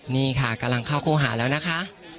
นี่ค่ะกำลังเข้าคู่หาแล้วนะคะ